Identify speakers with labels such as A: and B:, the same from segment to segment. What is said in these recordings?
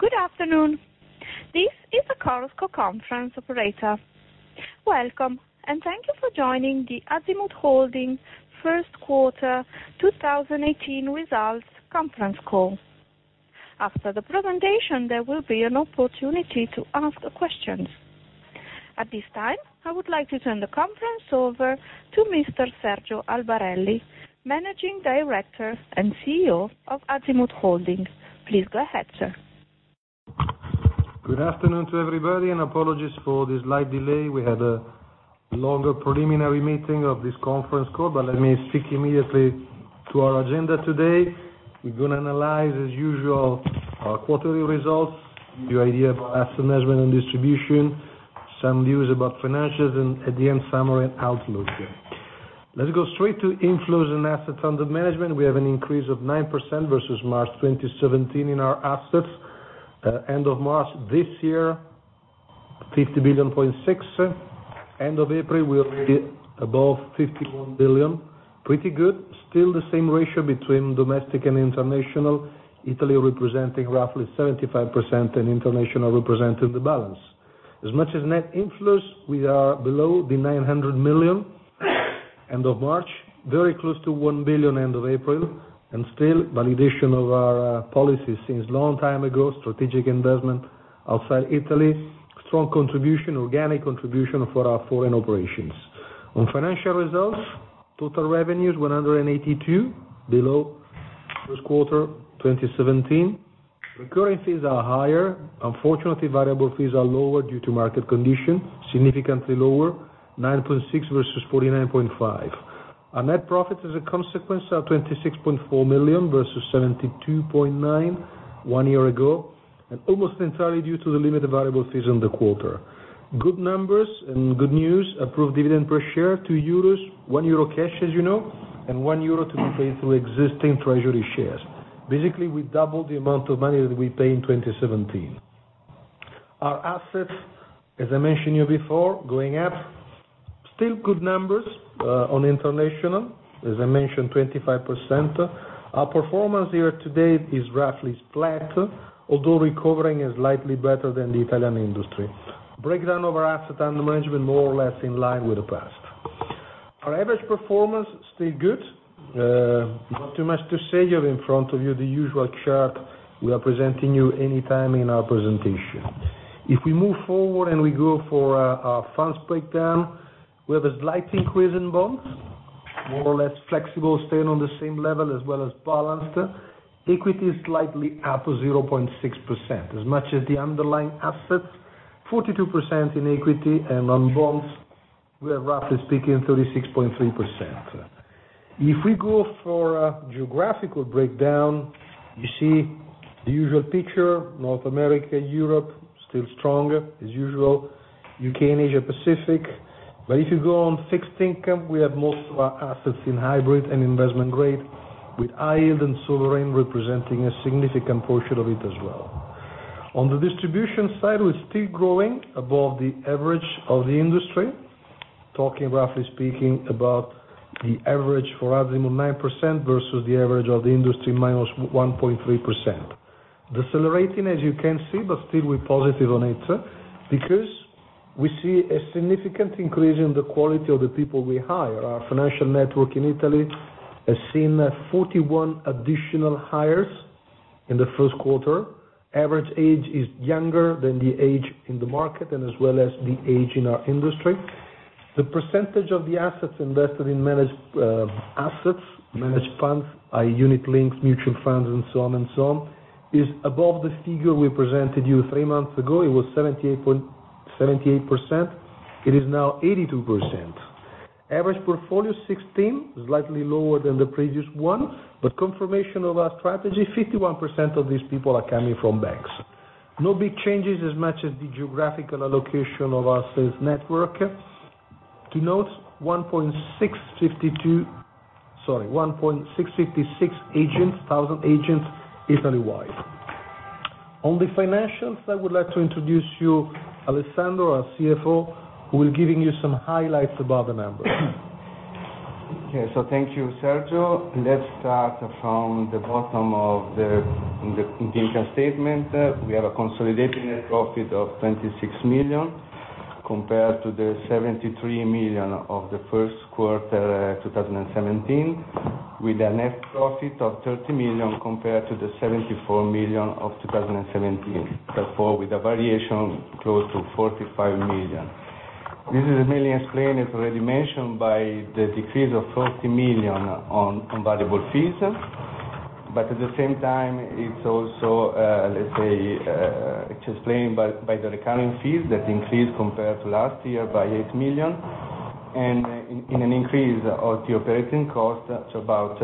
A: Good afternoon. This is the Chorus Call Conference operator. Welcome, and thank you for joining the Azimut Holding First Quarter 2018 Results Conference Call. After the presentation, there will be an opportunity to ask questions. At this time, I would like to turn the conference over to Mr. Sergio Albarelli, Managing Director and CEO of Azimut Holding. Please go ahead, sir.
B: Good afternoon to everybody. Apologies for the slight delay. We had a longer preliminary meeting of this conference call, but let me stick immediately to our agenda today. We're going to analyze, as usual, our quarterly results, give you idea about asset management and distribution, some news about financials. At the end, summary and outlook. Let us go straight to inflows and assets under management. We have an increase of 9% versus March 2017 in our assets. End of March this year, 50.6 billion. End of April, we will be above 51 billion. Pretty good. Still the same ratio between domestic and international, Italy representing roughly 75% and international representing the balance. As much as net inflows, we are below 900 million end of March, very close to 1 billion end of April. Still validation of our policy since long time ago, strategic investment outside Italy, strong contribution, organic contribution for our foreign operations. On financial results, total revenues 182, below first quarter 2017. Recurrences are higher. Unfortunately, variable fees are lower due to market condition, significantly lower, 9.6 million versus 49.5 million. Our net profits, as a consequence, are 26.4 million versus 72.9 million one year ago. Almost entirely due to the limited variable fees in the quarter. Good numbers and good news, approved dividend per share €2, €1 cash, as you know, €1 to be paid through existing treasury shares. Basically, we doubled the amount of money that we paid in 2017. Our assets, as I mentioned you before, going up. Still good numbers on international. As I mentioned, 25%. Our performance year-to-date is roughly flat, although recovering is slightly better than the Italian industry. Breakdown of our asset under management, more or less in line with the past. Our average performance, still good. Not too much to say here. In front of you, the usual chart we are presenting you any time in our presentation. If we move forward, we go for our funds breakdown, we have a slight increase in bonds. More or less flexible, staying on the same level, as well as balanced. Equity is slightly up 0.6%. As much as the underlying assets, 42% in equity. On bonds, we are roughly speaking, 36.3%. If we go for a geographical breakdown, you see the usual picture. North America, Europe, still stronger as usual, U.K., Asia Pacific. If you go on fixed income, we have most of our assets in hybrid and investment grade, with high yield and sovereign representing a significant portion of it as well. On the distribution side, we are still growing above the average of the industry, talking roughly speaking about the average for Azimut, 9%, versus the average of the industry, minus 1.3%. Decelerating, as you can see, but still we are positive on it because we see a significant increase in the quality of the people we hire. Our financial network in Italy has seen 41 additional hires in the first quarter. Average age is younger than the age in the market and as well as the age in our industry. The percentage of the assets invested in managed assets, managed funds, i.e. Unit-linked, mutual funds, and so on and so on, is above the figure we presented you three months ago. It was 78%. It is now 82%. Average portfolio 16, slightly lower than the previous one, but confirmation of our strategy, 51% of these people are coming from banks. No big changes as much as the geographical allocation of our sales network. To note, 1,656,000 agents Italy-wide. On the financials, I would like to introduce you Alessandro, our CFO, who will be giving you some highlights about the numbers.
C: Thank you, Sergio. Let's start from the bottom of the income statement. We have a consolidated net profit of 26 million, compared to the 73 million of the first quarter 2017, with a net profit of 30 million compared to the 74 million of 2017. Therefore, with a variation close to 45 million. This is mainly explained, as already mentioned, by the decrease of 40 million on variable fees. At the same time, it is also explained by the recurring fees that increased compared to last year by 8 million, and an increase of the operating cost to about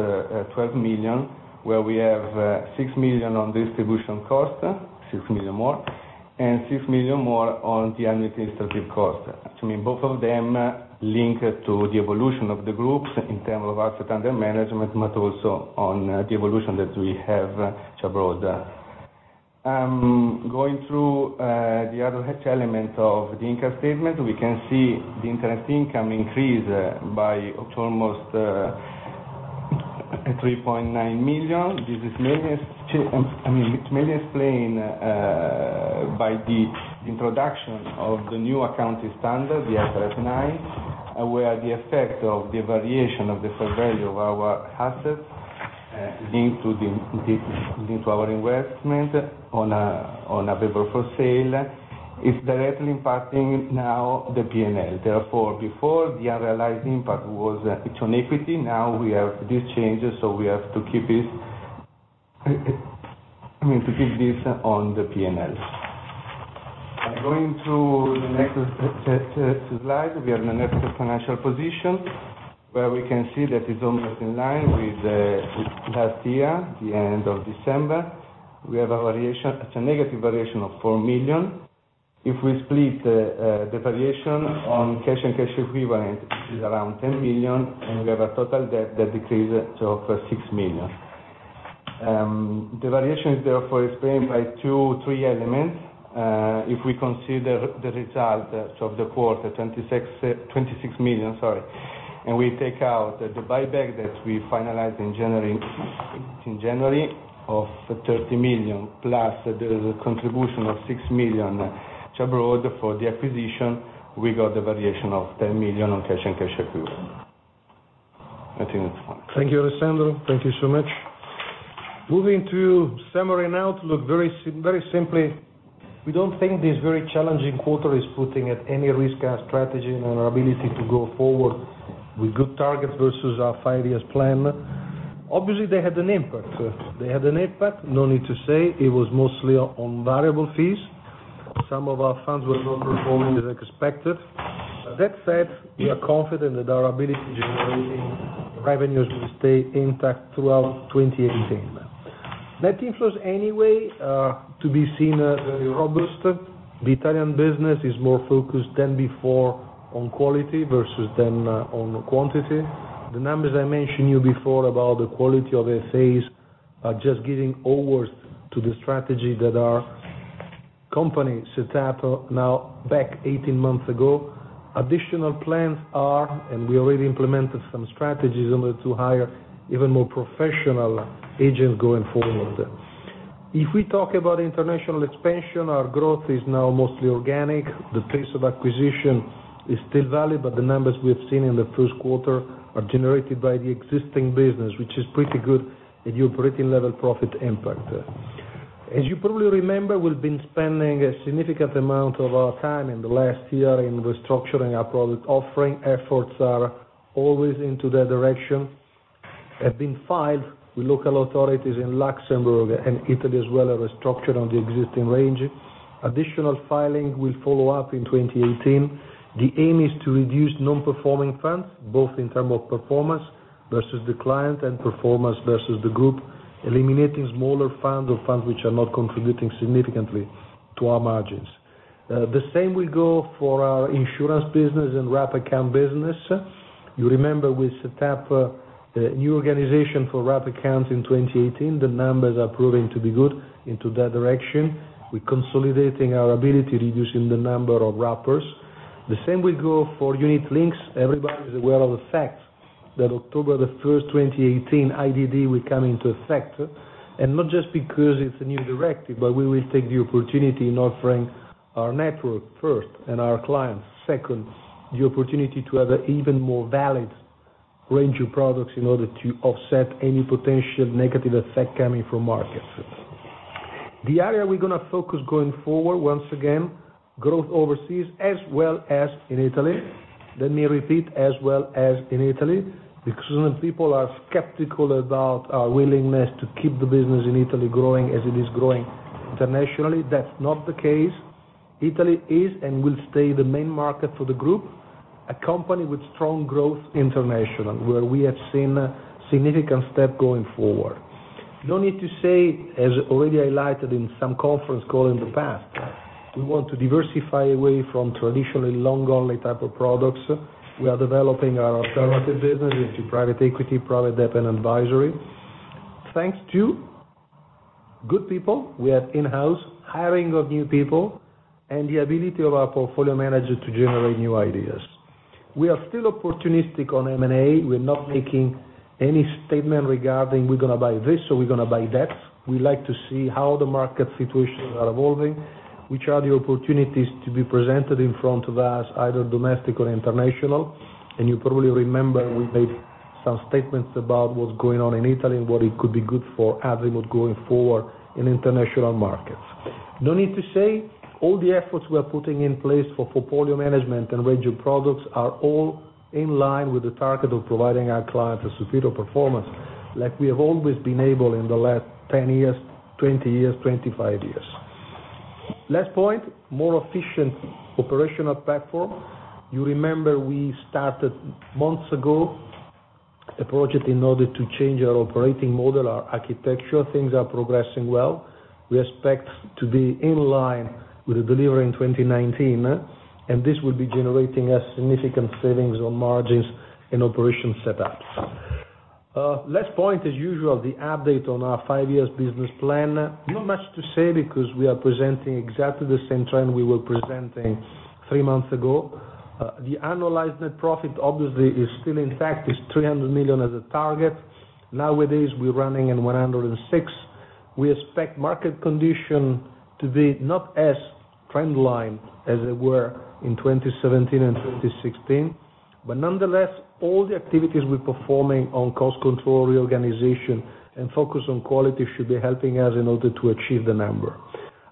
C: 12 million, where we have 6 million on distribution cost, 6 million more, and 6 million more on the administrative cost. To me, both of them link to the evolution of the group in terms of asset under management, but also on the evolution that we have abroad. Going through the other element of the income statement, we can see the interest income increase by almost 10% at 3.9 million. This is mainly explained by the introduction of the new accounting standard, the IFRS 9, where the effect of the variation of the fair value of our assets, linked to our investment on available for sale, is directly impacting now the P&L. Therefore, before the unrealized impact was on equity. Now we have these changes, so we have to keep this on the P&L. Going to the next slide. We have the net of financial position, where we can see that it is almost in line with last year, the end of December. We have a negative variation of 4 million. If we split the variation on cash and cash equivalents, it is around 10 million, and we have a total debt that decreases to 6 million. The variation is therefore explained by two, three elements. If we consider the result of the quarter, 26 million, and we take out the buyback that we finalized in January of 30 million, plus the contribution of 6 million abroad for the acquisition, we got the variation of 10 million on cash and cash equivalents. I think that's fine.
B: Thank you, Alessandro. Thank you so much. Moving to summary and outlook. Very simply, we don't think this very challenging quarter is putting at any risk our strategy and our ability to go forward with good targets versus our five-year plan. Obviously, they had an impact. They had an impact, no need to say. It was mostly on variable fees. Some of our funds were not performing as expected. That said, we are confident that our ability generating revenues will stay intact throughout 2018. Net inflows, anyway, to be seen as very robust. The Italian business is more focused than before on quality versus on quantity. The numbers I mentioned you before about the quality of FAs are just giving awards to the strategy that our company set out now back 18 months ago. Additional plans are. We already implemented some strategies in order to hire even more professional agents going forward. If we talk about international expansion, our growth is now mostly organic. The pace of acquisition is still valid, but the numbers we have seen in the first quarter are generated by the existing business, which is pretty good at operating level profit impact. As you probably remember, we've been spending a significant amount of our time in the last year in restructuring our product offering. Efforts are always into that direction. Have been filed with local authorities in Luxembourg, and Italy as well, a restructure on the existing range. Additional filing will follow up in 2018. The aim is to reduce non-performing funds, both in term of performance versus the client, and performance versus the group, eliminating smaller funds or funds which are not contributing significantly to our margins. The same will go for our insurance business and wrapped account business. You remember we set up a new organization for wrapped accounts in 2018. The numbers are proving to be good into that direction. We're consolidating our ability, reducing the number of wrappers. The same will go for Unit-linked. Everybody is aware of the fact that October 1, 2018, IDD will come into effect. Not just because it's a new directive, but we will take the opportunity in offering our network first, and our clients second, the opportunity to have an even more valid range of products in order to offset any potential negative effect coming from markets. The area we're going to focus going forward, once again, growth overseas as well as in Italy. Let me repeat, as well as in Italy. When people are skeptical about our willingness to keep the business in Italy growing as it is growing internationally, that's not the case. Italy is and will stay the main market for the group, accompanied with strong growth internationally, where we have seen significant step going forward. No need to say, as already highlighted in some conference call in the past, we want to diversify away from traditional long only type of products. We are developing our alternative business into private equity, private debt, and advisory. Thanks to good people we have in-house, hiring of new people, and the ability of our portfolio managers to generate new ideas. We are still opportunistic on M&A. We're not making any statement regarding we're going to buy this, or we're going to buy that. We like to see how the market situations are evolving, which are the opportunities to be presented in front of us, either domestic or international. You probably remember we made some statements about what's going on in Italy, and what it could be good for Azimut going forward in international markets. No need to say, all the efforts we are putting in place for portfolio management and range of products are all in line with the target of providing our clients a superior performance, like we have always been able in the last 10 years, 20 years, 25 years. Last point, more efficient operational platform. You remember we started months ago, a project in order to change our operating model, our architecture. Things are progressing well. We expect to be in line with the delivery in 2019, this will be generating a significant savings on margins and operation setups. Last point as usual, the update on our five years business plan. Not much to say because we are presenting exactly the same trend we were presenting three months ago. The annualized net profit obviously is still intact, is 300 million as a target. Nowadays, we're running in 106. We expect market condition to be not as trendline as they were in 2017 and 2016. Nonetheless, all the activities we're performing on cost control reorganization and focus on quality should be helping us in order to achieve the number.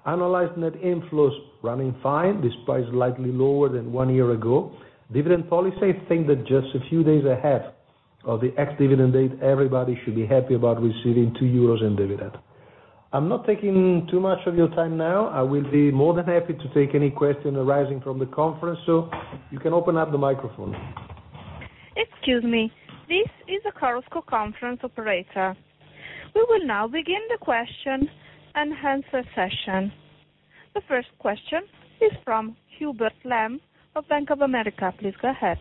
B: Annualized net inflows running fine, despite slightly lower than one year ago. Dividend policy, I think that just a few days ahead of the ex-dividend date, everybody should be happy about receiving two EUR in dividend. I'm not taking too much of your time now. I will be more than happy to take any question arising from the conference. You can open up the microphone.
A: Excuse me. This is the Chorus Call Conference operator. We will now begin the question and answer session. The first question is from Hubert Lam of Bank of America. Please go ahead.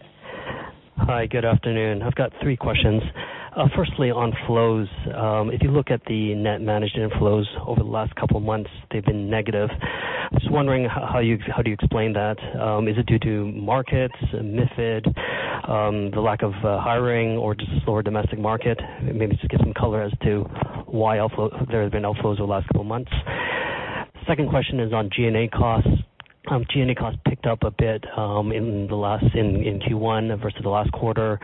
D: Hi, good afternoon. I've got three questions. Firstly, on flows. If you look at the net management flows over the last couple of months, they've been negative. I'm just wondering, how do you explain that? Is it due to markets, MiFID, the lack of hiring, or just slower domestic market? Maybe just give some color as to why there have been outflows the last couple of months. Second question is on G&A costs. G&A costs picked up a bit in Q1 versus the last quarter.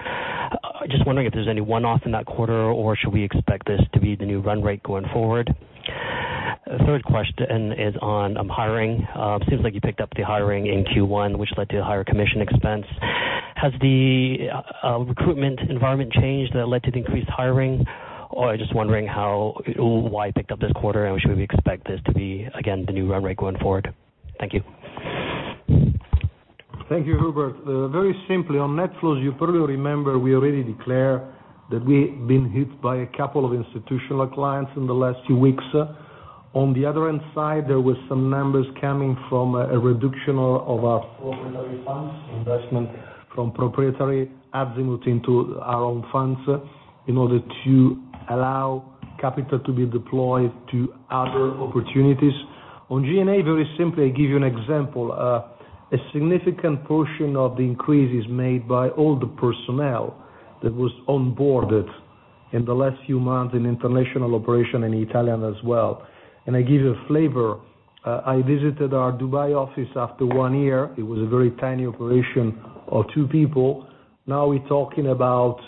D: Just wondering if there's any one-off in that quarter, or should we expect this to be the new run rate going forward? Third question is on hiring. Seems like you picked up the hiring in Q1, which led to higher commission expense. Has the recruitment environment changed that led to the increased hiring, or just wondering why it picked up this quarter, should we expect this to be, again, the new run rate going forward? Thank you.
B: Thank you, Hubert. Very simply, on net flows, you probably remember we already declare that we've been hit by a couple of institutional clients in the last few weeks. On the other side, there were some numbers coming from a reduction of our proprietary funds, investment from proprietary Azimut into our own funds in order to allow capital to be deployed to other opportunities. On G&A, very simply, I give you an example. A significant portion of the increase is made by all the personnel that was onboarded in the last few months in international operation, in Italian as well. I give you a flavor. I visited our Dubai office after one year. It was a very tiny operation of two people. Now we're talking about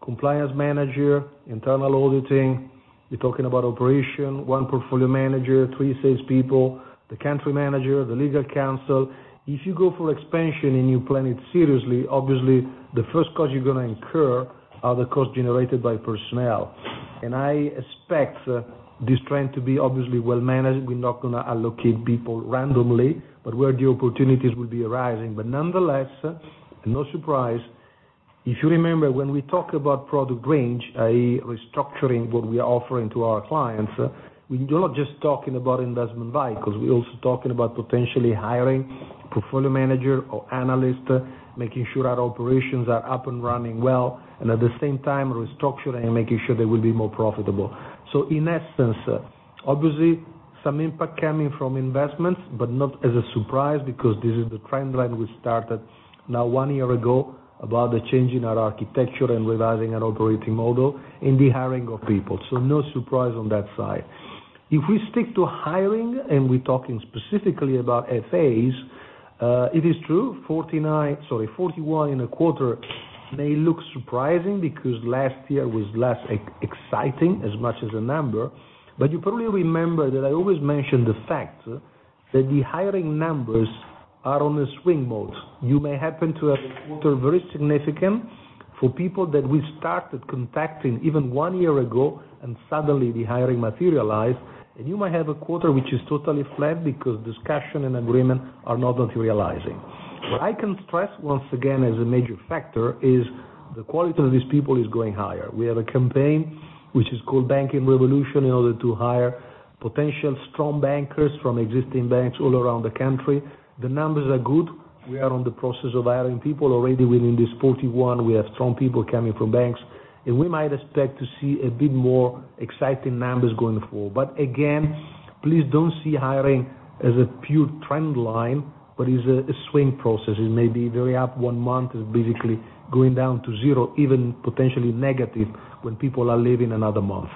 B: compliance manager, internal auditing. We're talking about operation, one portfolio manager, three salespeople, the country manager, the legal counsel. If you go for expansion and you plan it seriously, obviously the first cost you're going to incur are the costs generated by personnel. I expect this trend to be obviously well managed. We're not going to allocate people randomly, but where the opportunities will be arising. Nonetheless, no surprise, if you remember, when we talk about product range, i.e., restructuring what we are offering to our clients, we are not just talking about investment vehicles. We're also talking about potentially hiring portfolio manager or analyst, making sure our operations are up and running well, and at the same time restructuring and making sure they will be more profitable. In essence, obviously, some impact coming from investments, but not as a surprise because this is the trend line we started now one year ago about the change in our architecture and revising our operating model in the hiring of people. No surprise on that side. If we stick to hiring, and we're talking specifically about FAs, it is true, 41 in a quarter may look surprising because last year was less exciting as much as a number. You probably remember that I always mention the fact that the hiring numbers are on a swing mode. You may happen to have a quarter very significant for people that we started contacting even one year ago, and suddenly the hiring materialize. You might have a quarter which is totally flat because discussion and agreement are not materializing. What I can stress once again as a major factor is the quality of these people is going higher. We have a campaign, which is called Banking Revolution, in order to hire potential strong bankers from existing banks all around the country. The numbers are good. We are on the process of hiring people. Already within this 41, we have strong people coming from banks, and we might expect to see a bit more exciting numbers going forward. Again, please don't see hiring as a pure trend line, but is a swing process. It may be very up one month, is basically going down to zero, even potentially negative when people are leaving another month.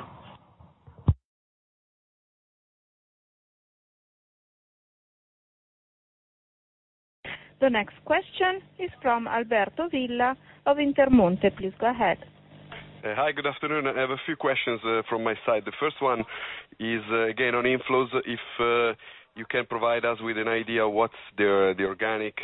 A: The next question is from Alberto Villa of Intermonte. Please go ahead.
E: Hi, good afternoon. I have a few questions from my side. The first one is again on inflows. If you can provide us with an idea of what's the organic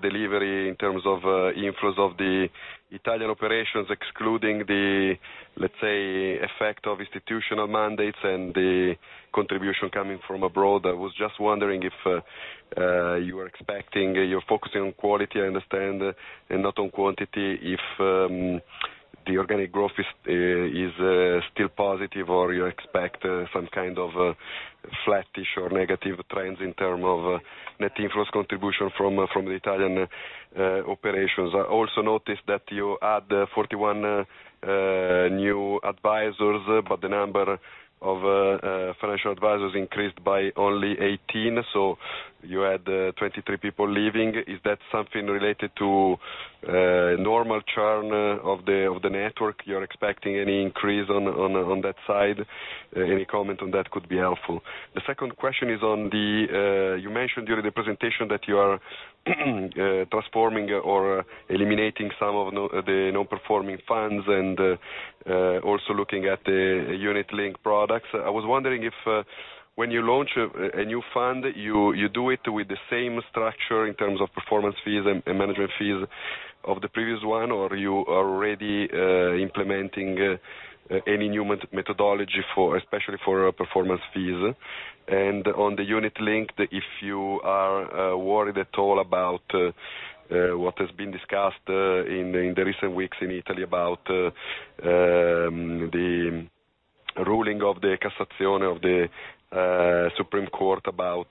E: delivery in terms of inflows of the Italian operations, excluding the, let's say, effect of institutional mandates and the contribution coming from abroad. I was just wondering if you are expecting, you're focusing on quality, I understand, and not on quantity, if the organic growth is still positive, or you expect some kind of flattish or negative trends in terms of net inflows contribution from the Italian operations. I also noticed that you had 41 new advisors, but the number of financial advisors increased by only 18. You had 23 people leaving. Is that something related to normal churn of the network? You're expecting any increase on that side? Any comment on that could be helpful. The second question is, you mentioned during the presentation that you are transforming or eliminating some of the non-performing funds and also looking at the Unit-linked products. I was wondering if when you launch a new fund, you do it with the same structure in terms of performance fees and management fees of the previous one, or you are already implementing any new methodology, especially for performance fees? On the Unit-linked, if you are worried at all about what has been discussed in the recent weeks in Italy about the ruling of the Supreme Court about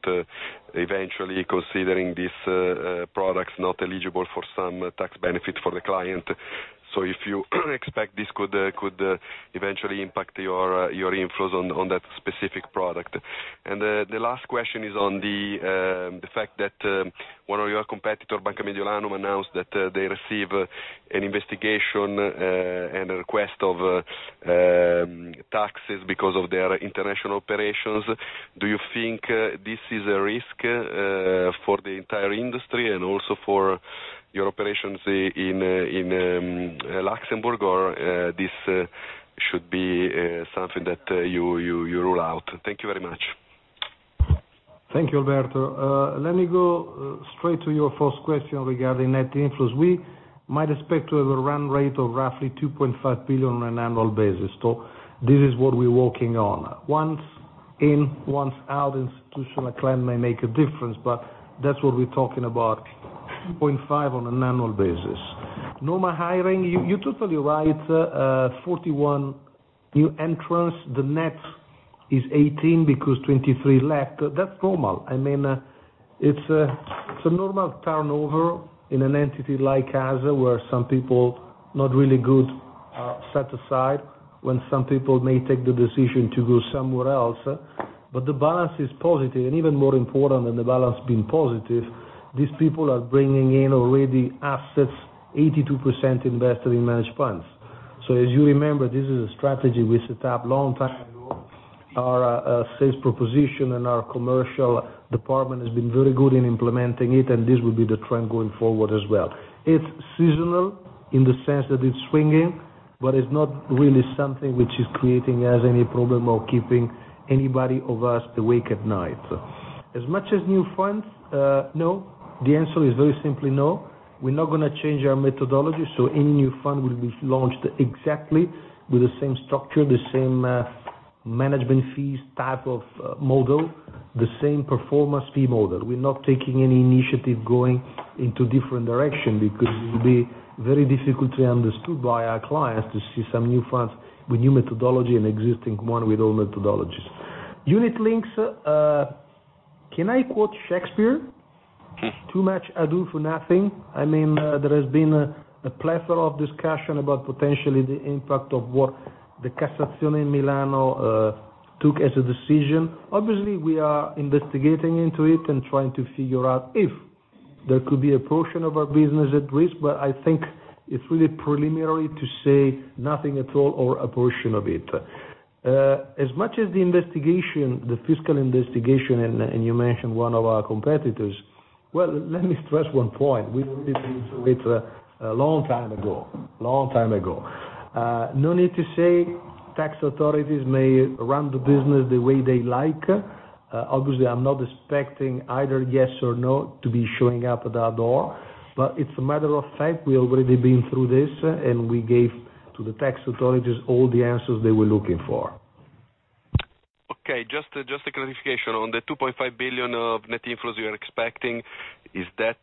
E: eventually considering these products not eligible for some tax benefit for the client. If you expect this could eventually impact your inflows on that specific product. The last question is on the fact that one of your competitors, Banca Mediolanum, announced that they received an investigation and a request of taxes because of their international operations. Do you think this is a risk for the entire industry and also for your operations in Luxembourg, or this should be something that you rule out? Thank you very much.
B: Thank you, Alberto. Let me go straight to your first question regarding net inflows. We might expect to have a run rate of roughly 2.5 billion on an annual basis. This is what we're working on. Once in, once out, institutional client may make a difference, but that's what we're talking about, 2.5 on an annual basis. Normal hiring, you're totally right. 41 new entrants, the net is 18 because 23 left. That's normal. It's a normal turnover in an entity like ours, where some people not really good are set aside, when some people may take the decision to go somewhere else. The balance is positive, and even more important than the balance being positive, these people are bringing in already assets 82% invested in managed funds. As you remember, this is a strategy we set up long time ago. Our sales proposition and our commercial department has been very good in implementing it. This will be the trend going forward as well. It's seasonal in the sense that it's swinging, but it's not really something which is creating us any problem or keeping anybody of us awake at night. As much as new funds, no. The answer is very simply no. We're not going to change our methodology. Any new fund will be launched exactly with the same structure, the same management fees type of model, the same performance fee model. We're not taking any initiative going into different direction because it will be very difficult to be understood by our clients to see some new funds with new methodology and existing one with old methodologies. Unit-linked, can I quote Shakespeare? Too much ado for nothing." There has been a plethora of discussion about potentially the impact of what the Milan took as a decision. Obviously, we are investigating into it and trying to figure out if there could be a portion of our business at risk, but I think it's really preliminary to say nothing at all, or a portion of it. As much as the fiscal investigation, you mentioned one of our competitors. Let me stress one point. We've already been through it a long time ago. No need to say tax authorities may run the business the way they like. Obviously, I'm not expecting either yes or no to be showing up at our door, but it's a matter of fact, we already been through this. We gave to the tax authorities all the answers they were looking for.
E: Just a clarification. On the 2.5 billion of net inflows you are expecting, is that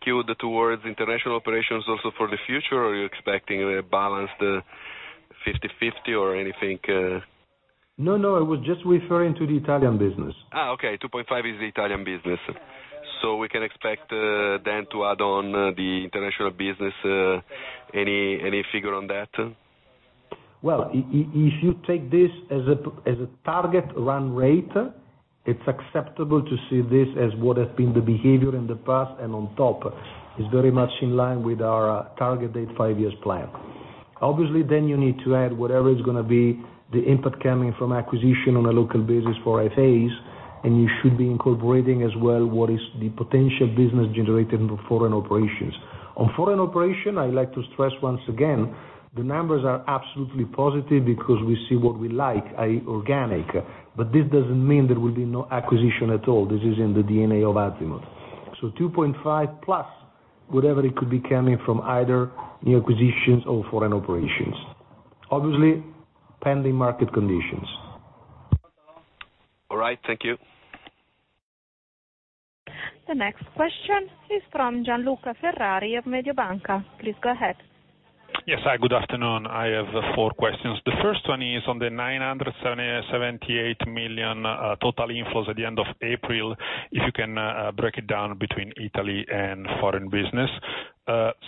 E: skewed towards international operations also for the future, or are you expecting a balanced 50/50 or anything?
B: I was just referring to the Italian business.
E: Okay. 2.5 is the Italian business. We can expect then to add on the international business. Any figure on that?
B: If you take this as a target run rate, it's acceptable to see this as what has been the behavior in the past, and on top. It's very much in line with our target date five years plan. Obviously, you need to add whatever is going to be the input coming from acquisition on a local basis for FAs, and you should be incorporating as well what is the potential business generated in the foreign operations. On foreign operation, I like to stress once again, the numbers are absolutely positive because we see what we like, i.e., organic. This doesn't mean there will be no acquisition at all. This is in the DNA of Azimut. 2.5 plus whatever it could be coming from either new acquisitions or foreign operations. Obviously, pending market conditions.
E: All right. Thank you.
A: The next question is from Gian Luca Ferrari of Mediobanca. Please go ahead.
F: Yes. Good afternoon. I have four questions. The first one is on the 978 million total inflows at the end of April, if you can break it down between Italy and foreign business.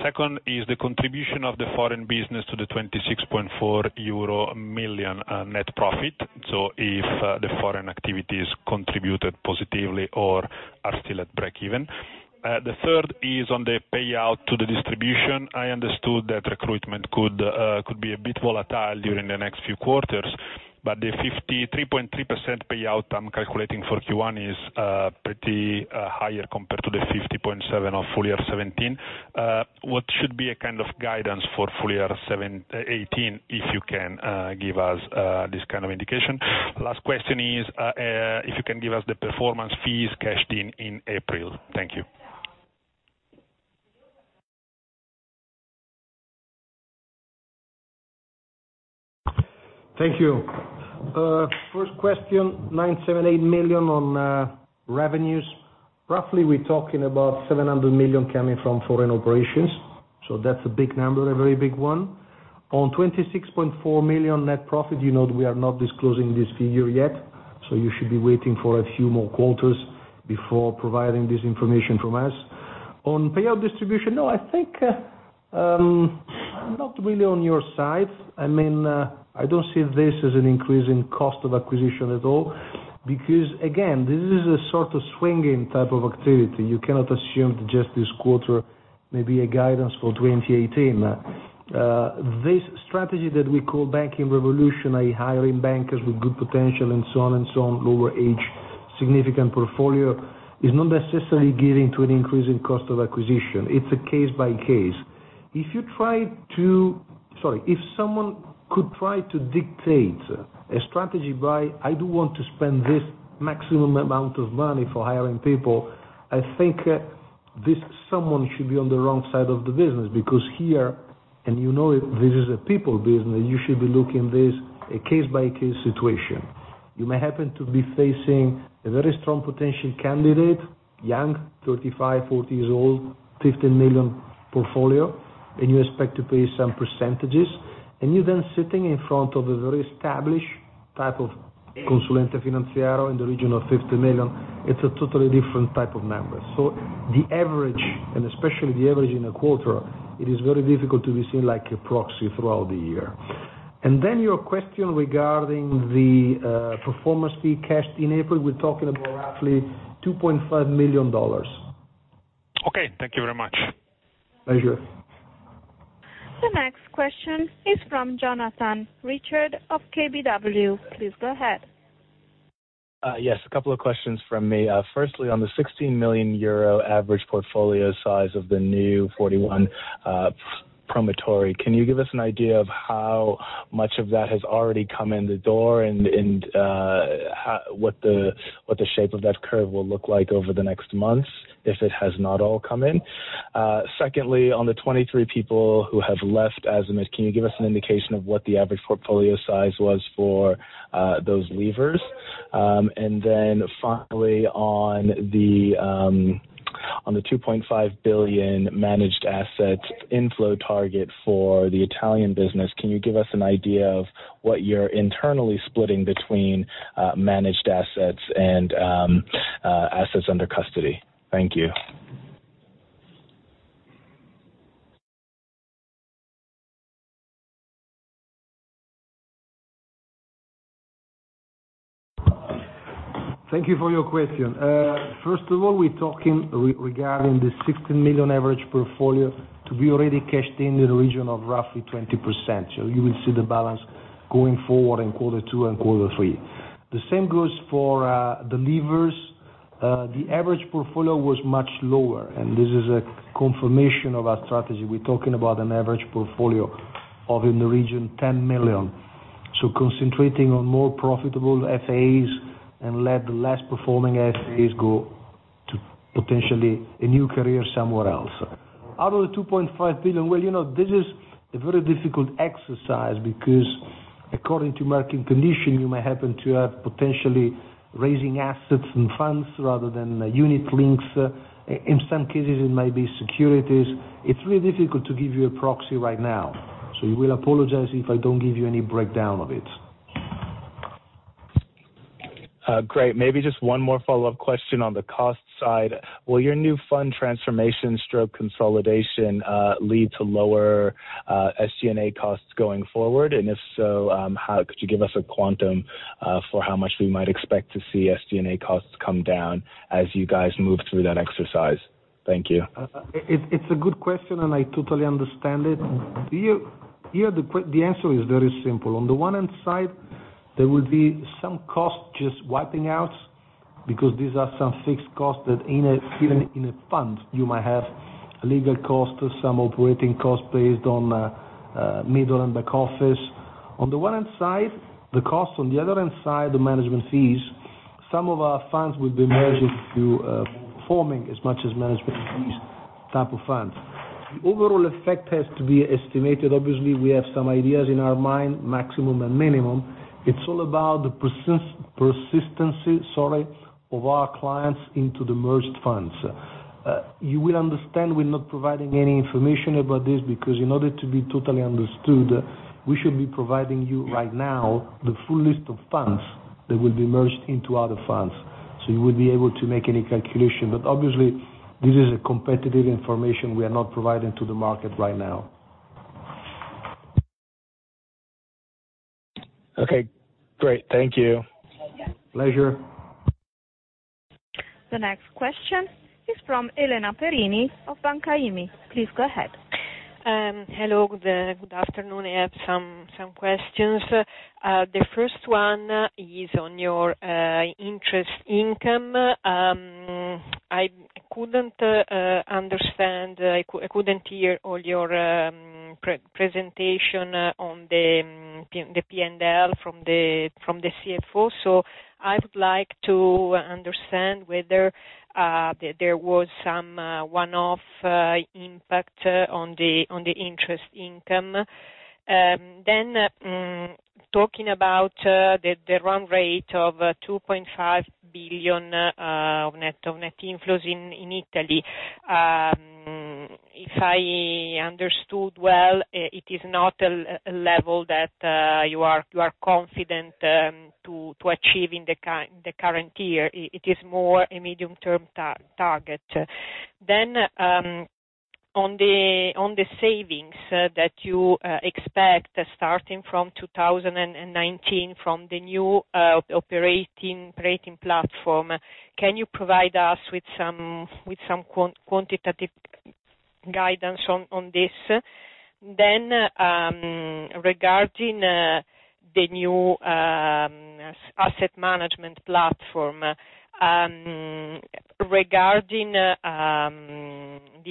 F: Second is the contribution of the foreign business to the 26.4 million euro net profit. If the foreign activities contributed positively or are still at breakeven. The third is on the payout to the distribution. I understood that recruitment could be a bit volatile during the next few quarters, but the 53.3% payout I'm calculating for Q1 is pretty higher compared to the 50.7% of full year 2017. What should be a kind of guidance for full year 2018, if you can give us this kind of indication. Last question is, if you can give us the performance fees cashed in April. Thank you.
B: Thank you. First question, 978 million on revenues. Roughly, we're talking about 700 million coming from foreign operations. That's a big number, a very big one. On 26.4 million net profit, you know that we are not disclosing this figure yet, you should be waiting for a few more quarters before providing this information from us. On payout distribution, no, I think I'm not really on your side. I don't see this as an increase in cost of acquisition at all. Again, this is a sort of swinging type of activity. You cannot assume that just this quarter may be a guidance for 2018. This strategy that we call Banking Revolution, i.e. hiring bankers with good potential and so on, lower age, significant portfolio, is not necessarily giving to an increase in cost of acquisition. It's a case by case. If someone could try to dictate a strategy by, "I do want to spend this maximum amount of money for hiring people," I think this someone should be on the wrong side of the business, because here, and you know it, this is a people business. You should be looking this a case by case situation. You may happen to be facing a very strong potential candidate, young, 35, 40 years old, 15 million portfolio, and you're then sitting in front of a very established type of consulente finanziario in the region of 50 million, it's a totally different type of member. The average, and especially the average in a quarter, it is very difficult to be seen like a proxy throughout the year. Your question regarding the performance fee cashed in April, we're talking about roughly EUR 2.5 million.
F: Okay. Thank you very much.
B: Pleasure.
A: The next question is from Jonathan Richard of KBW. Please go ahead.
G: Yes, a couple of questions from me. Firstly, on the 16 million euro average portfolio size of the new 41 promotori, can you give us an idea of how much of that has already come in the door, and what the shape of that curve will look like over the next months, if it has not all come in? Secondly, on the 23 people who have left Azimut, can you give us an indication of what the average portfolio size was for those leavers? Finally, on the 2.5 billion managed assets inflow target for the Italian business, can you give us an idea of what you're internally splitting between managed assets and assets under custody? Thank you.
B: Thank you for your question. First of all, we're talking regarding the 16 million average portfolio to be already cashed in the region of roughly 20%. You will see the balance going forward in quarter 2 and quarter 3. The same goes for the leavers. The average portfolio was much lower, and this is a confirmation of our strategy. We're talking about an average portfolio of in the region 10 million. Concentrating on more profitable FAs, and let the less performing FAs go to potentially a new career somewhere else. Out of the 2.5 billion, well, this is a very difficult exercise because according to marking condition, you may happen to have potentially raising assets in funds rather than Unit-linked. In some cases, it might be securities. It's really difficult to give you a proxy right now. You will apologize if I don't give you any breakdown of it.
G: Great. Maybe just one more follow-up question on the cost side. Will your new fund transformation/consolidation lead to lower SG&A costs going forward? If so, could you give us a quantum for how much we might expect to see SG&A costs come down as you guys move through that exercise? Thank you.
B: It's a good question. I totally understand it. Here, the answer is very simple. On the one hand side, there will be some cost just wiping out, because these are some fixed costs that even in a fund, you might have legal costs, some operating costs based on middle and back office. On the one hand side, the cost, on the other hand side, the management fees. Some of our funds will be merged into performing as much as management fees type of funds. The overall effect has to be estimated. Obviously, we have some ideas in our mind, maximum and minimum. It's all about the persistency of our clients into the merged funds. You will understand we're not providing any information about this because in order to be totally understood, we should be providing you right now the full list of funds that will be merged into other funds. You would be able to make any calculation. Obviously, this is competitive information we are not providing to the market right now.
G: Okay, great. Thank you.
B: Pleasure.
A: The next question is from Elena Perini of Banca IMI. Please go ahead.
H: Hello, good afternoon. I have some questions. The first one is on your interest income. I couldn't understand, I couldn't hear all your presentation on the P&L from the CFO. I would like to understand whether there was some one-off impact on the interest income. Talking about the run rate of 2.5 billion of net inflows in Italy. If I understood well, it is not a level that you are confident to achieve in the current year. It is more a medium-term target. On the savings that you expect, starting from 2019 from the new operating platform, can you provide us with some quantitative guidance on this? Regarding the new asset management platform, regarding the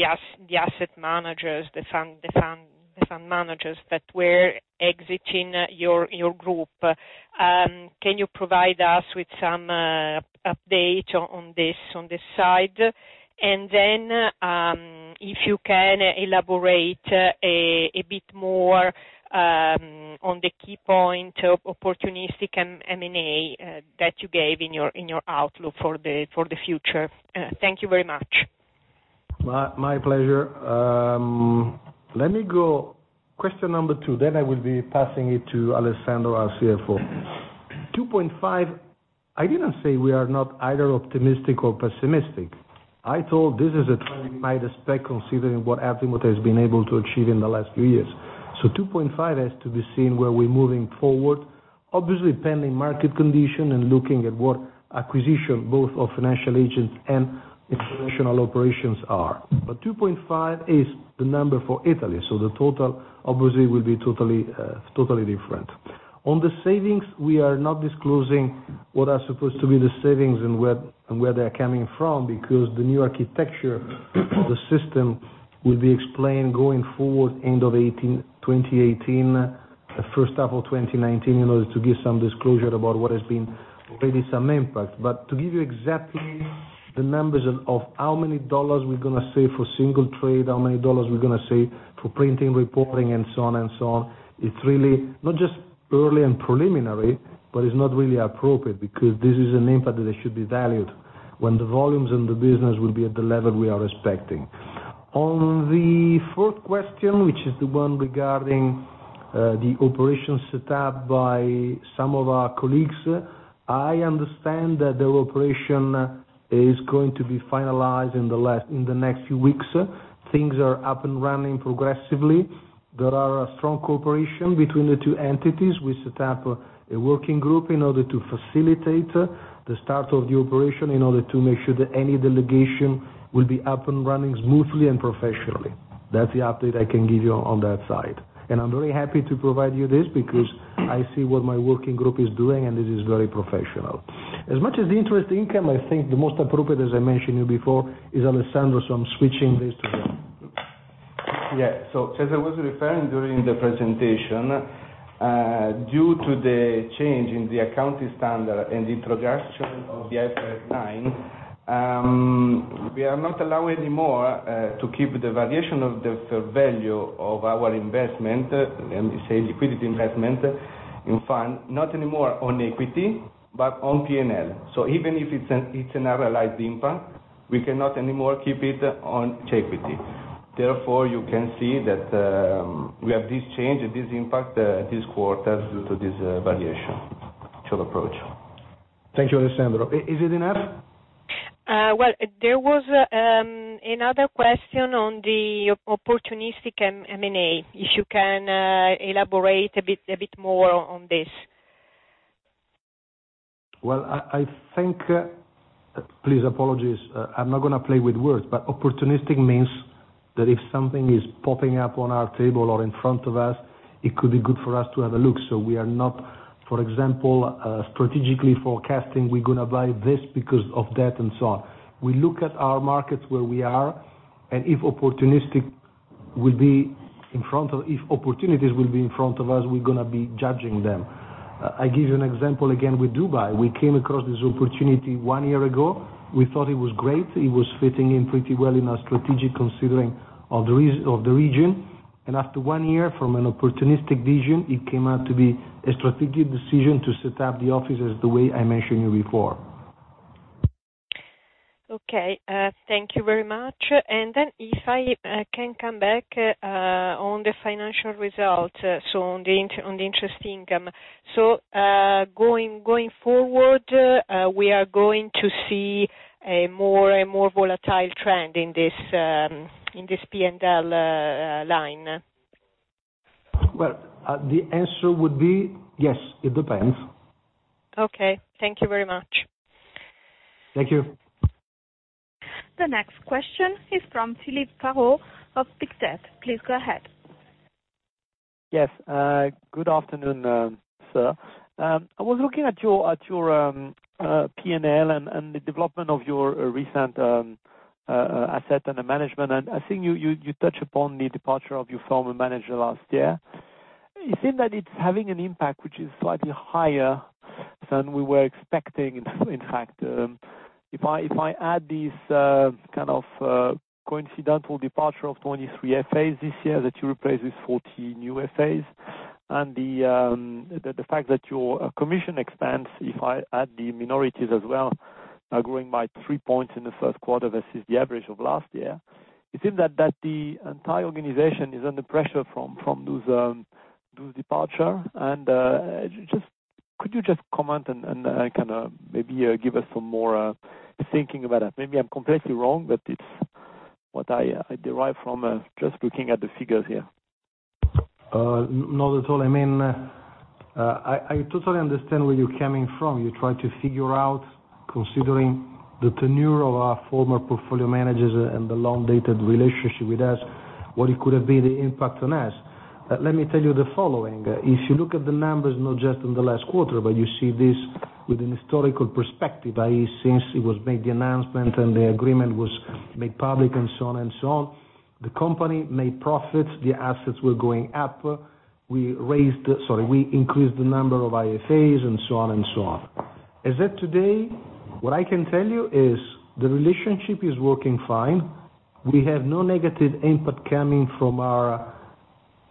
H: asset managers, the fund managers that were exiting your group, can you provide us with some update on this side? If you can elaborate a bit more on the key point of opportunistic M&A that you gave in your outlook for the future. Thank you very much.
B: My pleasure. Let me go question number 2. I will be passing it to Alessandro, our CFO. 2.5, I didn't say we are not either optimistic or pessimistic. I thought this is a trend we might expect considering what Azimut has been able to achieve in the last few years. 2.5 has to be seen where we're moving forward, obviously pending market condition and looking at what acquisition, both of financial agents and international operations are. 2.5 is the number for Italy, the total obviously will be totally different. On the savings, we are not disclosing what are supposed to be the savings and where they're coming from because the new architecture of the system will be explained going forward end of 2018, first half of 2019, in order to give some disclosure about what has been already some impact. To give you exactly the numbers of how many euros we're going to save for single trade, how many euros we're going to save for printing, reporting, and so on, it's really not just early and preliminary, but it's not really appropriate because this is an impact that should be valued when the volumes in the business will be at the level we are expecting. On the fourth question, which is the one regarding the operation set up by some of our colleagues, I understand that their operation is going to be finalized in the next few weeks. Things are up and running progressively. There are a strong cooperation between the two entities. We set up a working group in order to facilitate the start of the operation, in order to make sure that any delegation will be up and running smoothly and professionally. That's the update I can give you on that side, and I'm very happy to provide you this because I see what my working group is doing, and it is very professional. As much as the interest income, I think the most appropriate, as I mentioned you before, is Alessandro, so I'm switching this to him.
C: As I was referring during the presentation, due to the change in the accounting standard and introduction of the IFRS 9, we are not allowed anymore to keep the valuation of the fair value of our investment, let me say, liquidity investment in fund, not anymore on equity, but on P&L. Even if it's an unrealized impact, we cannot anymore keep it on equity. Therefore, you can see that we have this change, this impact this quarter due to this valuation approach.
B: Thank you, Alessandro. Is it enough?
H: Well, there was another question on the opportunistic M&A. If you can elaborate a bit more on this.
B: Well, I think, please apologies, I'm not going to play with words, opportunistic means that if something is popping up on our table or in front of us, it could be good for us to have a look. We are not, for example, strategically forecasting we're going to buy this because of that, and so on. We look at our markets where we are and if opportunities will be in front of us, we're going to be judging them. I give you an example again with Dubai. We came across this opportunity one year ago. We thought it was great. It was fitting in pretty well in our strategic considering of the region. After one year from an opportunistic vision, it came out to be a strategic decision to set up the offices the way I mentioned you before.
H: Okay. Thank you very much. If I can come back on the financial results, on the interest income. Going forward, we are going to see a more volatile trend in this P&L line?
B: Well, the answer would be yes. It depends.
H: Okay. Thank you very much.
B: Thank you.
A: The next question is from Philippe Carraud of Pictet. Please go ahead.
I: Yes. Good afternoon, sir. I was looking at your P&L and the development of your recent asset under management. I think you touch upon the departure of your former manager last year. It seemed that it's having an impact which is slightly higher than we were expecting. In fact, if I add these coincidental departure of 23 FAs this year that you replace with 14 new FAs, and the fact that your commission expense, if I add the minorities as well, are growing by three points in the first quarter versus the average of last year. It seemed that the entire organization is under pressure from those departure. Could you just comment, and maybe give us some more thinking about it. Maybe I'm completely wrong, but it's what I derive from just looking at the figures here.
B: Not at all. I totally understand where you're coming from. You're trying to figure out, considering the tenure of our former portfolio managers, and the long-dated relationship with us, what it could have been the impact on us. Let me tell you the following. If you look at the numbers, not just in the last quarter, but you see this with an historical perspective, i.e., since it was made the announcement, and the agreement was made public, and so on. The company made profits, the assets were going up. We increased the number of IFAs, and so on. As at today, what I can tell you is the relationship is working fine. We have no negative input coming from our,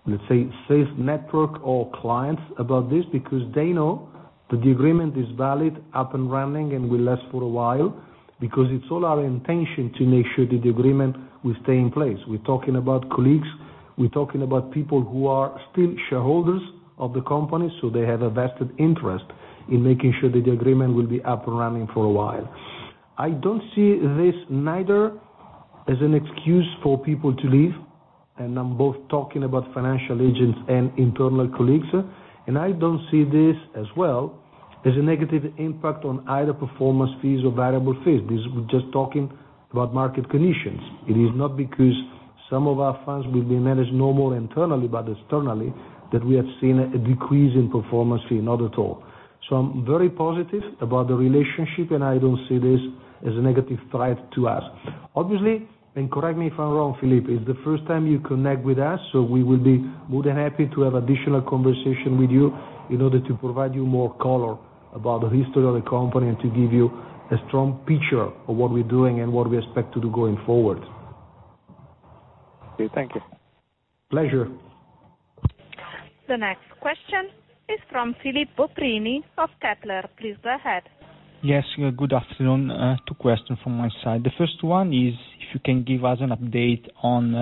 B: let's say, sales network or clients about this, because they know that the agreement is valid, up and running, and will last for a while. It's all our intention to make sure that the agreement will stay in place. We're talking about colleagues. We're talking about people who are still shareholders of the company, so they have a vested interest in making sure that the agreement will be up and running for a while. I don't see this neither as an excuse for people to leave, and I'm both talking about financial agents and internal colleagues. I don't see this as well as a negative impact on either performance fees or variable fees. We're just talking about market conditions. It is not because some of our funds will be managed now internally, but externally, that we have seen a decrease in performance fee. Not at all. I'm very positive about the relationship, and I don't see this as a negative threat to us. Obviously, correct me if I'm wrong, Philippe, it's the first time you connect with us. We will be more than happy to have additional conversation with you in order to provide you more color about the history of the company, to give you a strong picture of what we're doing and what we expect to do going forward.
I: Okay, thank you.
B: Pleasure.
A: The next question is from Filippo Prini of Kepler. Please go ahead.
J: Yes. Good afternoon. Two question from my side. The first one is if you can give us an update on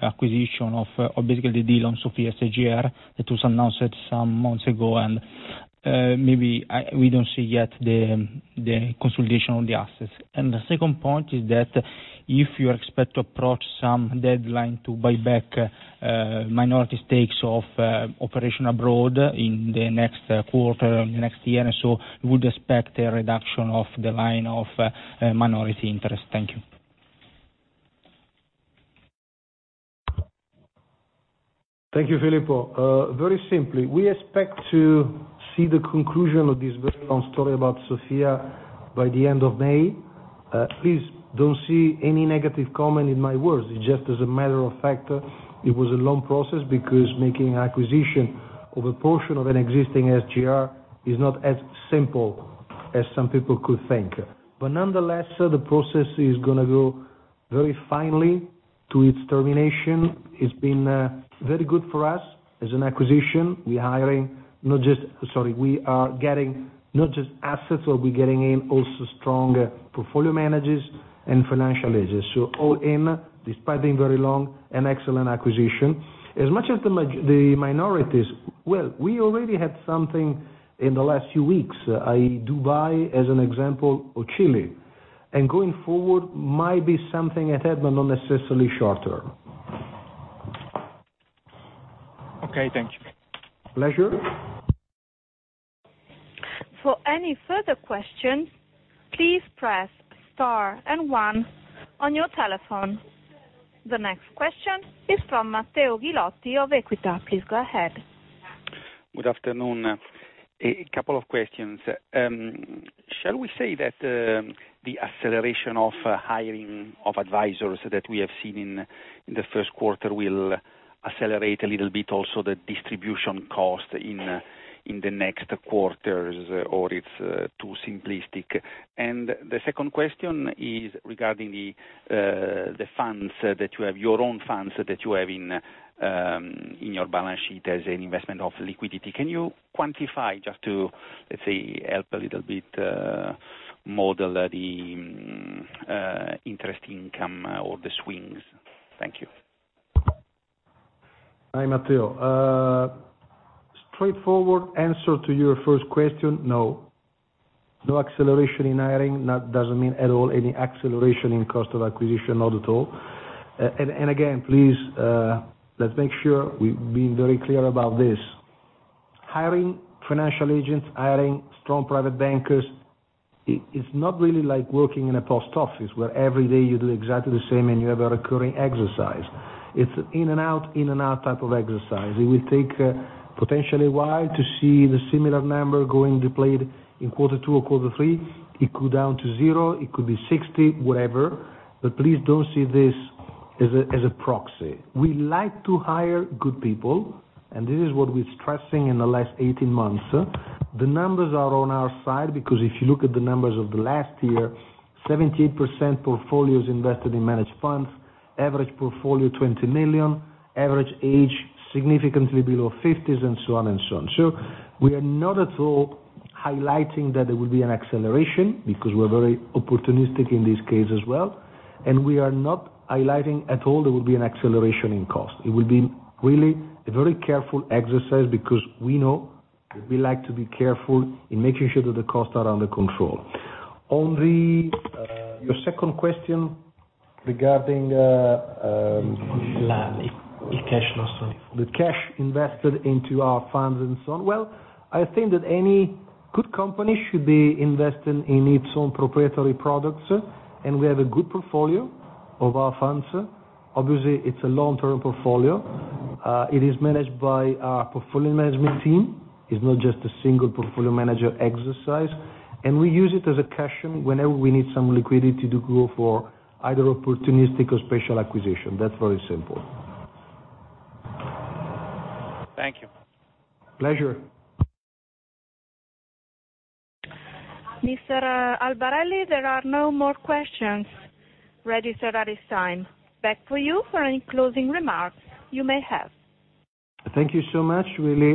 J: acquisition of, basically the deal on Sofia SGR that was announced some months ago, and maybe we don't see yet the consolidation of the assets. The second point is that if you expect to approach some deadline to buy back minority stakes of operation abroad in the next quarter or next year, so we would expect a reduction of the line of minority interest. Thank you.
B: Thank you, Filippo. Very simply, we expect to see the conclusion of this very long story about Sofia by the end of May. Please don't see any negative comment in my words. It's just as a matter of fact, it was a long process because making acquisition of a portion of an existing SGR is not as simple as some people could think. Nonetheless, the process is going to go very finely to its termination. It's been very good for us as an acquisition. We are getting not just assets, but we're getting in also strong portfolio managers and financial managers. All in, despite being very long, an excellent acquisition. As much as the minorities, well, we already had something in the last few weeks, i.e., Dubai as an example, or Chile. Going forward might be something ahead, but not necessarily short term.
J: Okay, thank you.
B: Pleasure.
A: For any further questions, please press star and one on your telephone. The next question is from Matteo Ghilotti of Equita. Please go ahead.
K: Good afternoon. A couple of questions. Shall we say that the acceleration of hiring of advisors that we have seen in the first quarter will accelerate a little bit also the distribution cost in the next quarters, or it is too simplistic? The second question is regarding the funds that you have, your own funds that you have in your balance sheet as an investment of liquidity. Can you quantify just to, let's say, help a little bit model the interest income or the swings? Thank you.
B: Hi, Matteo. Straightforward answer to your first question, no. No acceleration in hiring, that does not mean at all any acceleration in cost of acquisition. Not at all. Again, please, let us make sure we have been very clear about this. Hiring financial agents, hiring strong private bankers, it is not really like working in a post office where every day you do exactly the same and you have a recurring exercise. It is an in and out type of exercise. It will take potentially a while to see the similar number going deployed in quarter two or quarter three. It could down to zero, it could be 60, whatever, but please do not see this as a proxy. We like to hire good people, and this is what we are stressing in the last 18 months. The numbers are on our side because if you look at the numbers of the last year, 78% portfolios invested in managed funds, average portfolio 20 million, average age significantly below 50s, and so on. We are not at all highlighting that there will be an acceleration because we are very opportunistic in this case as well, and we are not highlighting at all there will be an acceleration in cost. It will be really a very careful exercise because we know that we like to be careful in making sure that the costs are under control. On your second question regarding the cash invested into our funds and so on. Well, I think that any good company should be investing in its own proprietary products, and we have a good portfolio of our funds. Obviously, it is a long-term portfolio. It is managed by our portfolio management team. It's not just a single portfolio manager exercise, and we use it as a cushion whenever we need some liquidity to go for either opportunistic or special acquisition. That's very simple.
K: Thank you.
B: Pleasure.
A: Mr. Albarelli, there are no more questions registered at this time. Back to you for any closing remarks you may have.
B: Thank you so much. Really,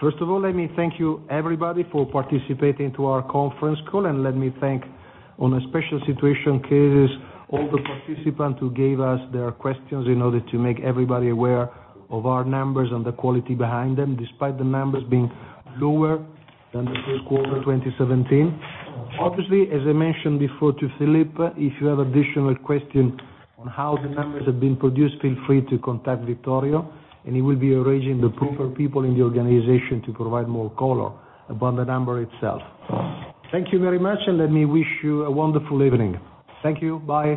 B: first of all, let me thank you everybody for participating to our conference call, and let me thank on a special situation cases all the participants who gave us their questions in order to make everybody aware of our numbers and the quality behind them, despite the numbers being lower than the first quarter 2017. Obviously, as I mentioned before to Philippe, if you have additional questions on how the numbers have been produced, feel free to contact Vittorio, and he will be arranging the proper people in the organization to provide more color about the number itself. Thank you very much, and let me wish you a wonderful evening. Thank you. Bye.